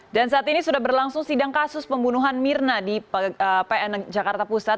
dan saat ini sudah berlangsung sidang kasus pembunuhan mirna di pn jakarta pusat